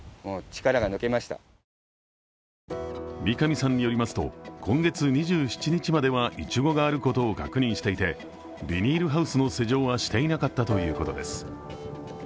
三上さんによりますと、今月２７日まではいちごがあることを確認していて、ビニールハウスの施錠はしていなかったということです。